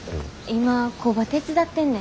今工場手伝ってんねん。